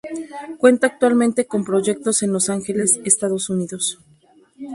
Cuenta actualmente con proyectos en Los Angeles, Estados Unidos.